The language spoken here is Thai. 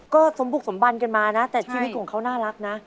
ก็สมบุกสมบันกันมานะแต่ชีวิตของเขาน่ารักนะ